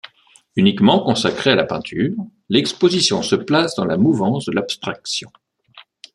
Uniquement consacrée à la peinture, l'exposition se place dans la mouvance de l'abstraction.